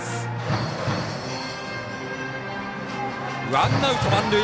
ワンアウト、満塁。